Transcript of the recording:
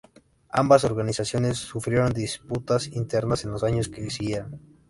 Ambas organizaciones sufrieron disputas internas en los años que siguieron.